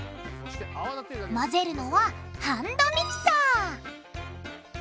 混ぜるのはハンドミキサー！